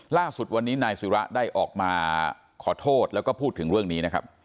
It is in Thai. ล่าสุดวันนี้นายศิระได้ออกมาขอโทษแล้วก็พูดถึงเรื่องนี้นะครับ